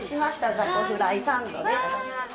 ザコフライサンドです。